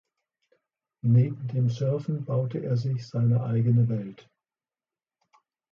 Neben dem Surfen baute er sich seine eigene Welt.